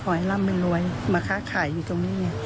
หอยล้ำเป็นรวยมะค้าขายอยู่ตรงนี้